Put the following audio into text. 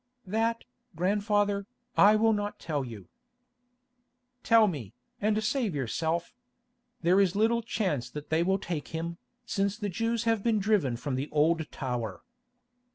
"That, grandfather, I will not tell you." "Tell me, and save yourself. There is little chance that they will take him, since the Jews have been driven from the Old Tower."